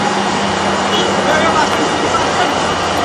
আমি নিজে ব্যাংক থেকে টাকা তুলিনি, অন্য একজন টাকা তুলে দিয়েছেন।